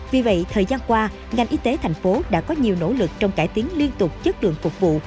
vì vậy thời gian qua ngành y tế thành phố đã có nhiều nỗ lực trong cải tiến liên tục chất lượng phục vụ